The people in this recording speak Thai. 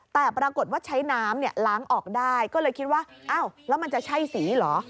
แต่ปรากฏว่าใช้น้ำล้างออกได้ก็เลยคิดว่าอ้าวแล้วมันจะใช่สีเหรอ